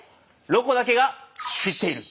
「ロコだけが知っている」！